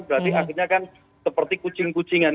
berarti akhirnya kan seperti kucing kucingan